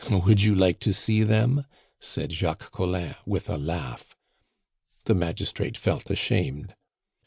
"Would you like to see them?" said Jacques Collin, with a laugh. The magistrate felt ashamed.